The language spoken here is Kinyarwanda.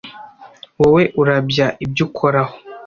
wowe urabya ibyo ukoraho